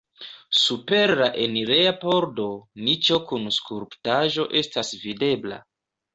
Super la enireja pordo niĉo kun skulptaĵo estas videbla.